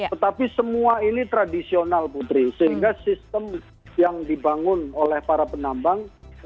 tetapi semua ini tradisional putri sehingga sistem yang dibangun oleh para penambang